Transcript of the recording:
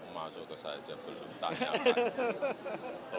masuk ke saja belum tanya apa